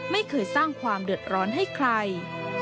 ไม่เคยสร้างความเดือดร้อนให้ใคร